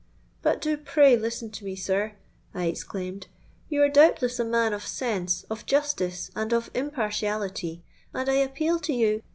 '—'But do pray listen to me, sir,' I exclaimed: 'you are doubtless a man of sense, of justice, and of impartiality; and I appeal to you——.'